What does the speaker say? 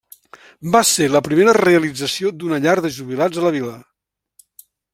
Va ser la primera realització d’una llar de jubilats a la vila.